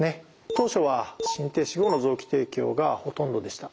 当初は心停止後の臓器提供がほとんどでした。